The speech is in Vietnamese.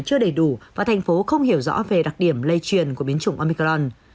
chưa đầy đủ và thành phố không hiểu rõ về đặc điểm lây truyền của biến chủng omicron